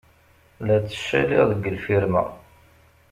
La ttcaliɣ deg lfirma.